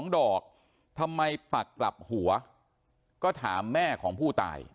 ๒ดอกทำไมปักกลับหัวก็ถามแม่ของผู้ตาย